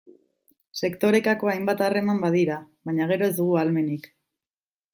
Sektorekako hainbat harreman badira, baina gero ez dugu ahalmenik.